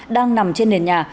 đang nằm trên nền nhà